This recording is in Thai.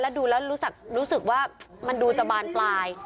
ดูแล้วรู้สึกว่ามันดูจะบานปลาย